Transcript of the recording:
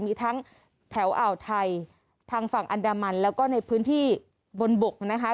มีทั้งแถวอ่าวไทยทางฝั่งอันดามันแล้วก็ในพื้นที่บนบกนะคะ